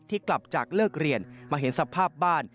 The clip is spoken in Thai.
กลับจากเลิกเรียนมาเห็นสภาพบ้าน